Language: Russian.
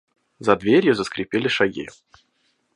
За дверью заскрипели шаги.